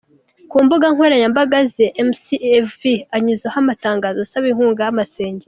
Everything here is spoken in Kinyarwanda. Ku mbuga nkoranyambaga ze Mc V anyuzaho amatangazo asaba inkunga y'amasengesho.